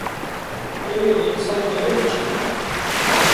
Em dê îsal genim biçînin.